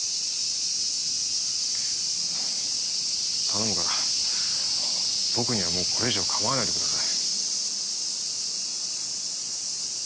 頼むから僕にはもうこれ以上構わないでください。